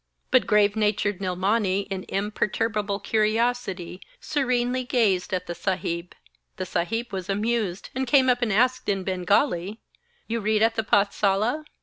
But grave natured Nilmani in imperturbable curiosity serenely gazed at the Saheb. The Saheb was amused and came up and asked in Bengali: 'You read at the pathsala?'